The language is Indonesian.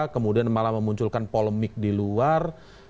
kemudian malah memunculkan polemik di luar